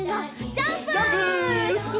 ジャンプ！